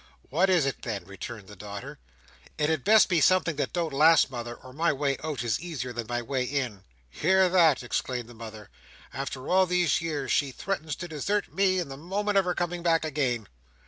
"What is it then?" returned the daughter. "It had best be something that don't last, mother, or my way out is easier than my way in." "Hear that!" exclaimed the mother. "After all these years she threatens to desert me in the moment of her coming back again!"